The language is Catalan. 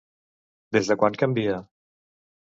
Des de quan canvia?